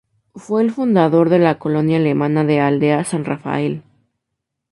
Fue el fundador de la colonia alemana de Aldea San Rafael.